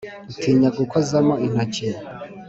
utinya gukozamo intoki.